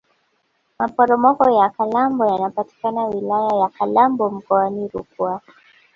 maporomoko ya kalambo yanapatikana wilaya ya kalambo mkoani rukwa